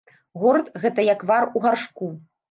Горад, гэта як вар у гаршку.